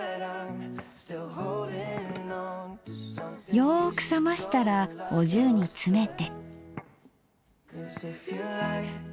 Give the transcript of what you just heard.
よく冷ましたらお重に詰めて。